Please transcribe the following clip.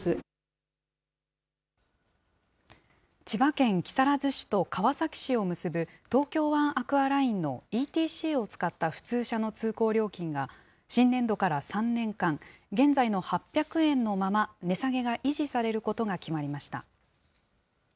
千葉県木更津市と川崎市を結ぶ、東京湾アクアラインのＥＴＣを使った普通車の通行料金が、新年度から３年間、現在の８００円のまま値下げが維持されることが決まりました。